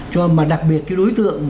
cho mà đặc biệt đối tượng